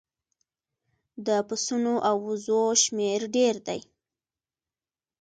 د پسونو او وزو شمیر ډیر دی